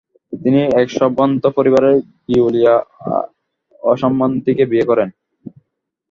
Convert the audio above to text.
তিনি এক সম্ভ্রান্ত পরিবারের গিয়ুলিয়া আম্মানতিকে বিয়ে করেন।